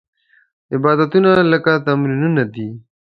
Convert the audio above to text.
عبادتونه لکه تمرینونه دي.